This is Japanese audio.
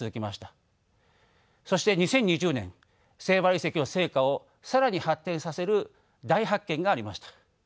そして２０２０年セイバル遺跡の成果を更に発展させる大発見がありました。